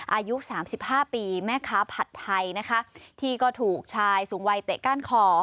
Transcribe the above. อายุสามสิบห้าปีแม่ค้าผัดไทยนะคะที่ก็ถูกชายสูงวัยเตะก้านคอ